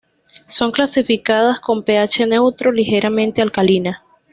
Son clasificadas con Ph neutro, ligeramente alcalina.